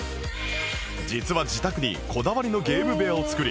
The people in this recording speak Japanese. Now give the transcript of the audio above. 実は自宅にこだわりのゲーム部屋を作り